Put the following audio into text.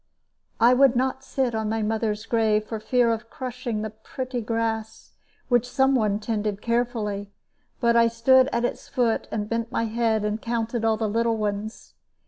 I would not sit on my mother's grave for fear of crushing the pretty grass, which some one tended carefully; but I stood at its foot, and bent my head, and counted all the little ones.